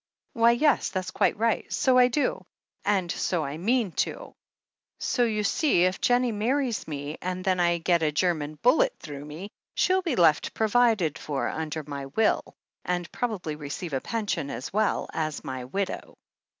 "Why, yes, that's quite right. So I do, and so I mean to. So you see, if Jennie marries me, and then I get a German bullet through* me, she'll be left provided for under my will, and probably receive a pension as well, as my widow."